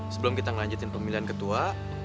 sebelum kita ngelanjutin pemilihan ketua